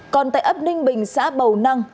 còn tại ấp ninh bình xã bầu năng